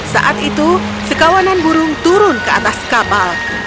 saat itu sekawanan burung turun ke atas kapal